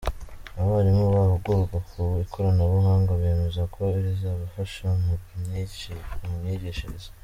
Abarimu bahugurwa ku ikoranabuhanga bemeza ko rizabafasha mu myigishirize.